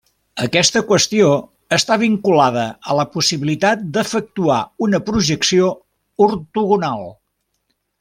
Aquesta qüestió està vinculada a la possibilitat d'efectuar una projecció ortogonal.